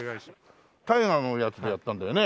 大河のやつでやったんだよね？